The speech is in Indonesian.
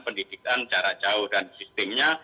pendidikan jarak jauh dan sistemnya